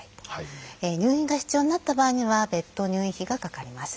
入院が必要になった場合には別途入院費がかかります。